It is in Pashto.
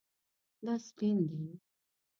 دا سپین دی